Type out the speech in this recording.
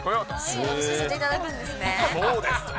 掃除させていただくんですね。